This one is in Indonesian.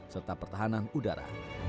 serta pertahanan udara